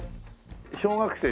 小学生？